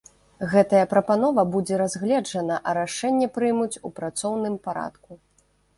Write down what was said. Гэтая прапанова будзе разгледжана, а рашэнне прымуць у працоўным парадку.